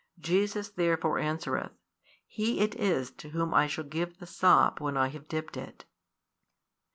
Jesus therefore answereth, He it is to whom I shall give the sop when I have dipped it.